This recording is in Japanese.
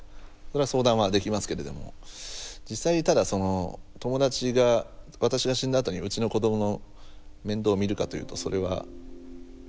相談はできますけれども実際にただその友達が私が死んだあとにうちの子どもの面倒を見るかというとそれは。